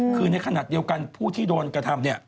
คือในขณะเดียวกันผู้ที่โดนกระทำ